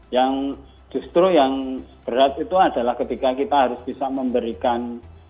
yang justru yang berat itu adalah ketika kita harus bisa memberikan